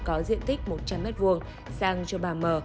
có diện tích một trăm linh m hai sang cho bà mờ